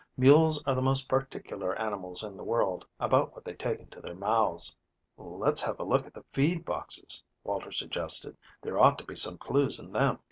Mules are the most particular animals in the world about what they take into their mouths." "Let's have a look at the feed boxes," Walter suggested; "there ought to be some clews in them."